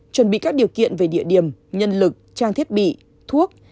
chuẩn bị các điều kiện về địa điểm nhân lực trang thiết bị thuốc